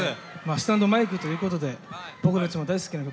スタンドマイクということで僕たちも大好きな曲です。